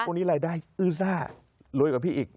คนนี้รายได้อื้อซ่ารวยกว่าพี่อีก